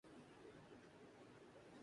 میں نے اتنے ہاٹ ڈاگز کھائیں جتنے میں کھا پایا